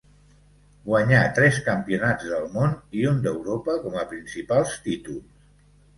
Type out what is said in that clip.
Guanyà tres campionats del Món i un d'Europa com a principals títols.